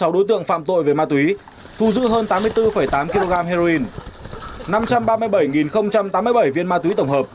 hai trăm năm mươi sáu đối tượng phạm tội về ma túy thu giữ hơn tám mươi bốn tám kg heroin năm trăm ba mươi bảy tám mươi bảy viên ma túy tổng hợp